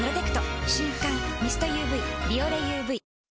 瞬感ミストＵＶ「ビオレＵＶ」